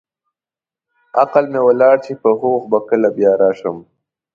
عقل مې ولاړ چې په هوښ به کله بیا راشم.